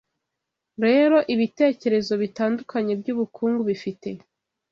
rero ibitekerezo bitandukanye byubukungu bifite